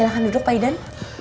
silahkan duduk pak idan